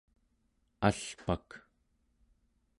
alpak